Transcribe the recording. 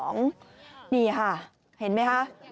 นี่ค่ะเห็นไหมคะ